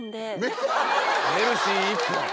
メルシー１本。